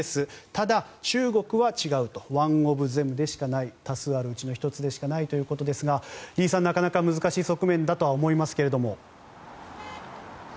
ただ、中国は違うワン・オブ・ゼムでしかない多数あるうちの１つでしかないということですがリさん、なかなか難しい側面だなとは思いますが。